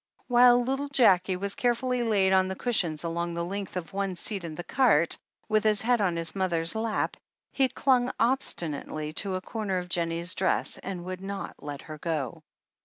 While little Jackie was carefully laid on the cushions along the length of one seat in the cart, with his head on his mother's lap, he clung obstinately to a comer of Jennie's dress, and would not let her go.